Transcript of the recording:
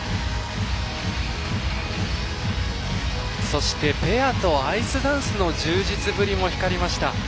そして、ペアとアイスダンスの充実ぶりも光りました。